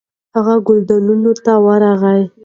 هغه ګلدانونو ته ورغی.